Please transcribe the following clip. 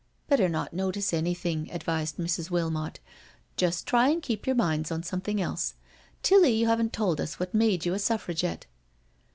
" Better not notice anything," advised Mrs. Wilmot. " Just try and keep our minds on something else. Tilly, you haven't told us what made you a Suffragette."